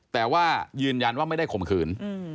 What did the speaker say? แต่ว่ายืนยันว่าไม่ได้ข่มขืน